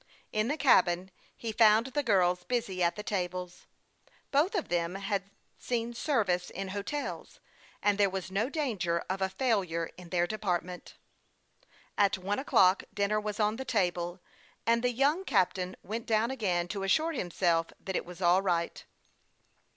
In the cabin he found the girls busy at the tables. Both of them had seen service in hotels, and there was no danger of a failure in their department. At one o'clock dinner was on the table, and the young captain went down again to assure himself that it was all right.